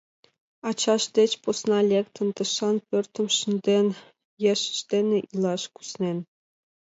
Ачаж деч посна лектын, тышан пӧртым шынден, ешыж дене илаш куснен.